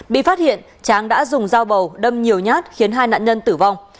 bị phát hiện tráng đã dùng dao bầu đâm nhiều nhát khiến hai nạn nhân tử vong